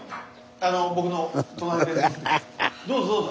どうぞどうぞ。